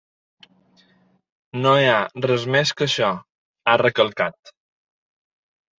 No hi ha res més que això, ha recalcat.